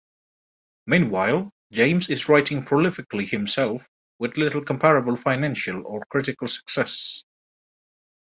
Meanwhile, James is writing prolifically himself with little comparable financial or critical success.